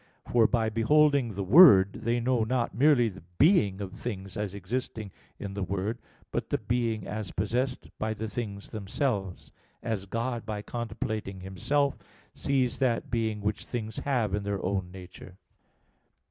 For by beholding the Word, they know not merely the being of things as existing in the Word, but the being as possessed by the things themselves; as God by contemplating Himself sees that being which things have in their own nature.